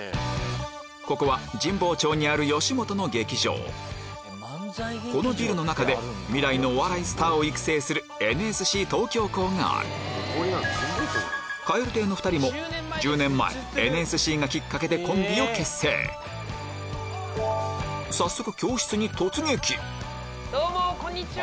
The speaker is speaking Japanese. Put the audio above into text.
ここは神保町にある吉本の劇場このビルの中で未来のお笑いスターを育成する蛙亭の２人も１０年前ＮＳＣがキッカケでコンビを結成どうもこんにちは！